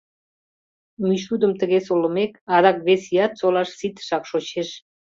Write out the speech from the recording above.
Мӱйшудым тыге солымек, адак вес ият солаш ситышак шочеш.